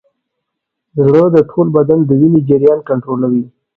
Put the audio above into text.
زړه د ټول بدن د وینې جریان کنټرولوي.